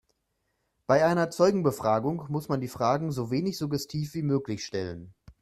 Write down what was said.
Bei einer Zeugenbefragung muss man die Fragen so wenig suggestiv wie möglich stellen.